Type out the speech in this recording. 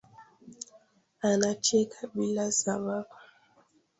Anacheka bila sababu